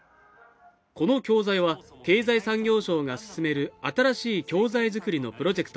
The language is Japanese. この教材は経済産業省が進める新しい教材作りのプロジェクト